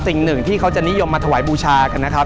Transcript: สิ่งหนึ่งที่เขาจะนิยมมาถวายบูชากันนะครับ